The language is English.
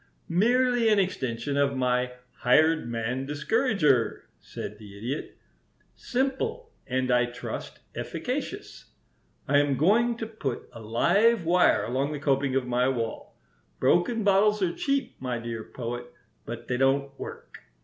"Merely an extension of my 'Hired Man Discourager,'" said the Idiot. "Simple, and I trust efficacious. I am going to put a live wire along the coping of my wall. Broken bottles are cheap, my dear Poet, but they don't work.